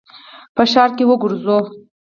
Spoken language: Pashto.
په ښار کي یې وګرځوه !